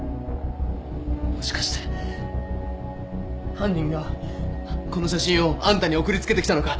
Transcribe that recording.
もしかして犯人がこの写真をあんたに送り付けてきたのか？